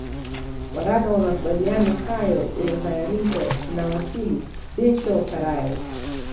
Waraka wa makubaliano hayo ulotayarishwa na Wakili Dinshaw Karai